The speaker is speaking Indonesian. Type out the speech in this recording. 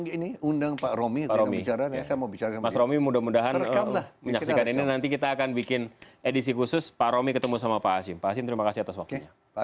kapan lagi kita ketemu mudah mudahan ada waktu